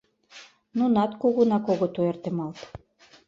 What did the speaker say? Нунат кугунак огыт ойыртемалт.